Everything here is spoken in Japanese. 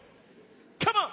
カモン！